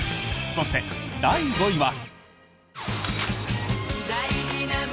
そして、第４位は。